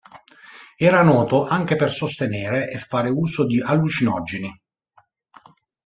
Era noto anche per sostenere e fare uso di allucinogeni.